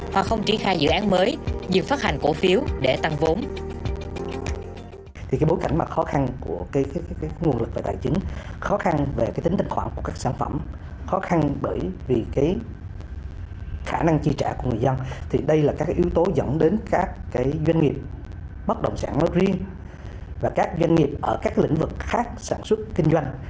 hoặc không tri khai dự án mới dừng phát hành